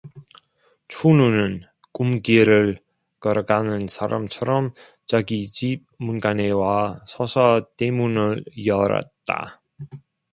춘우는 꿈길을 걸어가는 사람처럼 자기 집 문간에 와 서서 대문을 열었다.